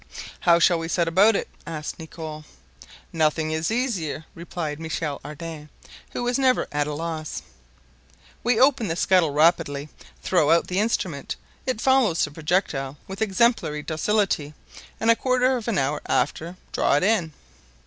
"How shall we set about it?" asked Nicholl. "Nothing is easier," replied Michel Ardan, who was never at a loss. "We open the scuttle rapidly; throw out the instrument; it follows the projectile with exemplary docility; and a quarter of an hour after, draw it in."